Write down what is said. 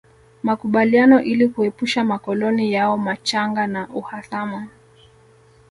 Makubaliano ili kuepusha makoloni yao machanga na uhasama